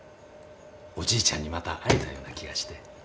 おじいちゃんにまた会えたような気がして。